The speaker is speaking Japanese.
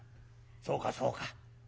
そうかそうか。